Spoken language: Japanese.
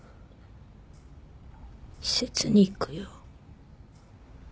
施設に行くよ。